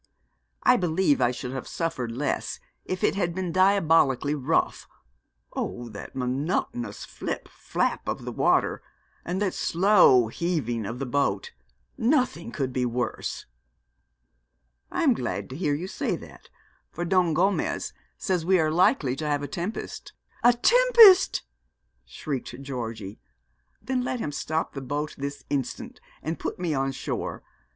'I believe I should have suffered less if it had been diabolically rough. Oh, that monotonous flip flap of the water, that slow heaving of the boat! Nothing could be worse.' 'I am glad to hear you say that, for Don Gomez says we are likely to have a tempest.' 'A tempest!' shrieked Georgie. 'Then let him stop the boat this instant and put me on shore.